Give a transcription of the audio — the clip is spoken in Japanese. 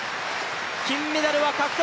金メダルは獲得。